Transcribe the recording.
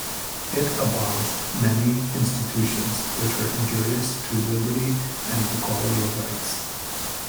It abolished many "institutions which were injurious to liberty and equality of rights".